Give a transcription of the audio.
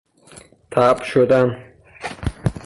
طبع شدن